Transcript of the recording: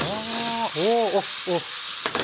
あおうおっおっ。